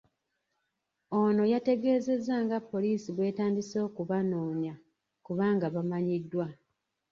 Ono yategeezezza nga poliisi bw'etandise okubanoonya kubanga bamanyiddwa.